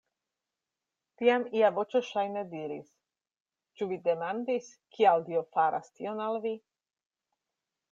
Tiam ia voĉo ŝajne diris: Ĉu vi demandis, kial Dio faras tion al vi?